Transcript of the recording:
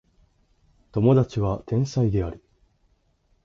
友達は天才である